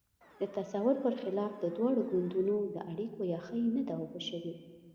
د تصور پر خلاف د دواړو ګوندونو د اړیکو یخۍ نه ده اوبه شوې.